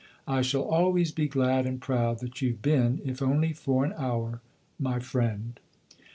" I shall always be glad and proud that you've been, if only for an hour, my friend